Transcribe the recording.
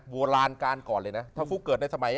โบราณการก่อนเลยนะถ้าฟุ๊กเกิดในสมัย